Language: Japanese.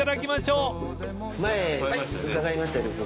前伺いましたよね